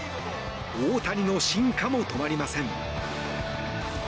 大谷の進化も止まりません。